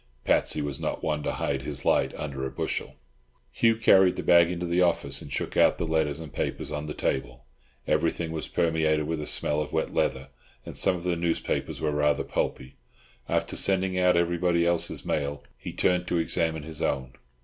Patsy was not one to hide his light under a bushel. Hugh carried the bag into the office, and shook out the letters and papers on the table. Everything was permeated with a smell of wet leather, and some of the newspapers were rather pulpy. After sending out everybody else's mail he turned to examine his own.